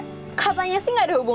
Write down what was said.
kenapa ini dari andro dateng gini